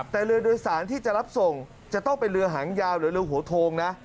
แต่เรือโดยสารที่จะรับส่งจะต้องเป็นเรือหางยาวหรือเรือหัวโทงนะ